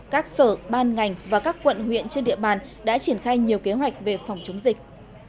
các sở ban ngành và các quận huyện trên địa bàn đã triển khai nhiều kế hoạch về phòng chống dịch